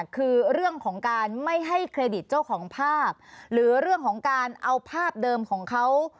คือเรื่องของการไม่ให้เครดิตเจ้าของภาพหรือเรื่องของการเอาภาพเดิมของเขา